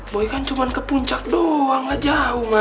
boy kan cuma ke puncak doang nggak jauh ma